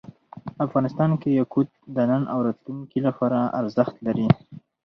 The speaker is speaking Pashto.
افغانستان کې یاقوت د نن او راتلونکي لپاره ارزښت لري.